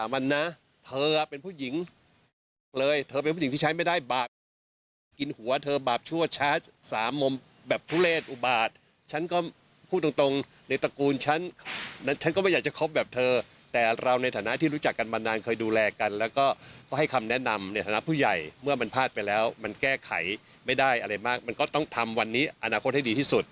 มันก็ต้องทำวันนี้อนาคตให้ดีที่สุด